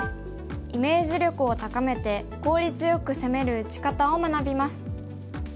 イメージ力を高めて効率よく攻める打ち方を学びます。